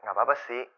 gak apa apa sih